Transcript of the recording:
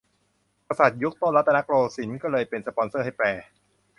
กษัตริย์ยุคต้นรัตนโกสินทร์ก็เลยเป็นสปอนเซอร์ให้แปล